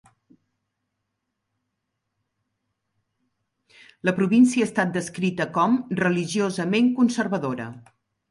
La província ha estat descrita com "religiosament conservadora".